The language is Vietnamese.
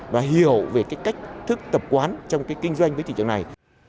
và hiểu về cái cách thức tập quán trong cái kinh doanh với thị trường này